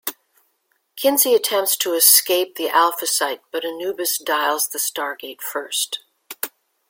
Kinsey attempts to escape to the Alpha Site, but Anubis dials the Stargate first.